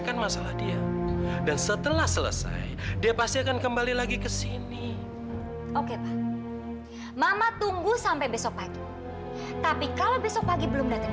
mama akan telepon polisi